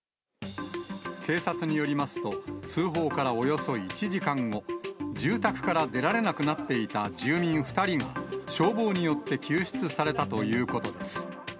警察によりますと、通報からおよそ１時間後、住宅から出られなくなっていた住民２人が、消防によって救出されたということです。